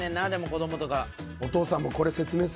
子供とか。